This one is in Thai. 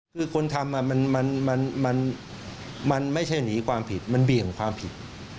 คือคนทำมันไม่ใช่หนีความผิดมันเบี่ยงความผิด